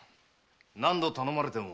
何度頼まれても。